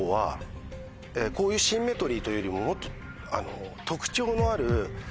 こういうシンメトリーというよりももっと。